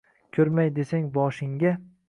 Koʼrmay desang boshingga